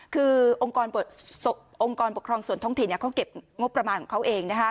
คือองค์กรปกครองส่วนท้องถิ่นเขาเก็บงบประมาณของเขาเอง